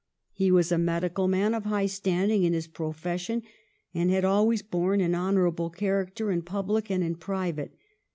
He was a medical man of high standing in his profession and had always borne an honorable character in public and in private.